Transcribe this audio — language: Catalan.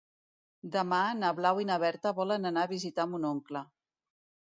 Demà na Blau i na Berta volen anar a visitar mon oncle.